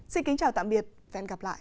xin kính chào tạm biệt và hẹn gặp lại